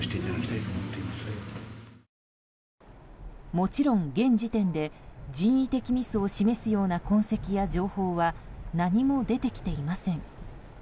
もちろん、現時点で人為的ミスを示すような痕跡や情報は何も出てきていません。